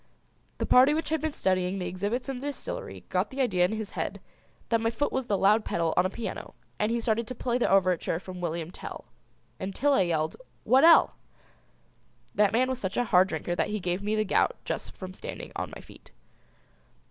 The party which had been studying the exhibits in the distillery got the idea in his head that my foot was the loud pedal on a piano and he started to play the overture from William Tell until I yelled "W'at'ell!" That man was such a hard drinker that he gave me the gout just from standing on my feet.